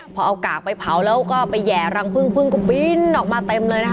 พอเอากากไปเผาแล้วก็ไปแห่รังพึ่งพึ่งก็บินออกมาเต็มเลยนะคะ